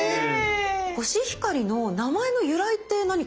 コシヒカリの名前の由来って何かありますか？